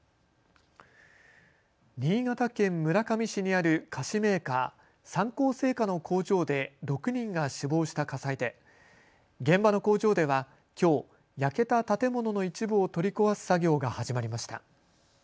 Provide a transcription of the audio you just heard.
新潟県村上市にある菓子メーカー、三幸製菓の工場で６人が死亡した火災で現場の工場ではきょう焼けた建物の一部を取り壊す作業が始まりました。